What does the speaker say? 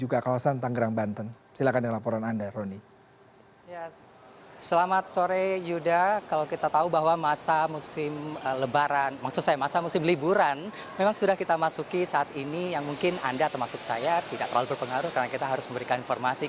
untuk dipergunakan dalam arus budi keberkatan kami